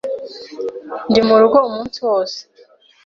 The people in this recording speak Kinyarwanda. Ndi murugo umunsi wose.